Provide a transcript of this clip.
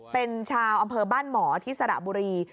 เป็นชาวอำเภอบ้านหมอที่สระบุรี